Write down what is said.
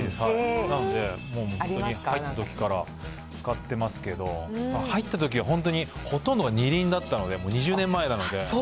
なので、入ったときから使ってますけど、入ったときは本当に、ほとんどが２輪だったので、もう２０年前なので。